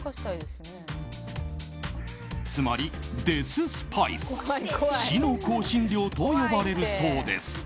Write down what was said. つまり、デススパイス死の香辛料と呼ばれるそうです。